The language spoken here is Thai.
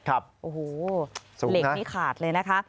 โอ้โหเหล็กนี้ขาดเลยนะคะ